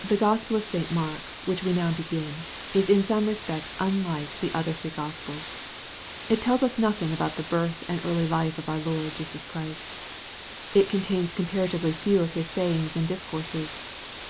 THE Gospel of St. Mark, which we now begin, is in some respects unlike the other three Gospels. It tells us nothing about the birth and early life of our Lord Jesus Christ. It contains comparatively few of His say ings and discourses.